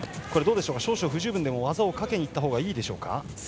少々、不十分でも技をかけにいったほうがいいですか。